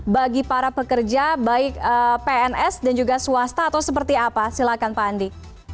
bagi para pekerja baik pns dan juga swasta atau seperti apa silakan pak andi